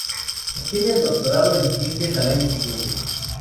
Obtiene el doctorado en ciencias el año siguiente.